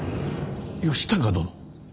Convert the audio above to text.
義高殿。